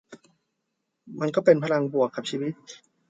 มันก็เป็นพลังบวกกับชีวิต